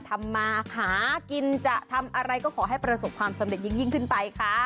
ทำมาหากินจะทำอะไรก็ขอให้ประสบความสำเร็จยิ่งขึ้นไปค่ะ